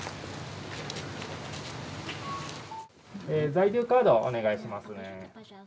在留カードお願いしますね